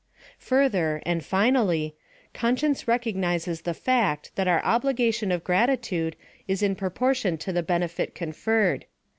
Further, and finally — Conscience recognises the fact that our obligation of gratitude is in proportion to the benefit conferred.